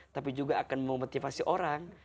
tapi juga akan memotivasi orang